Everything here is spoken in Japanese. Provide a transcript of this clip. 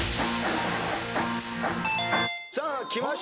さあきました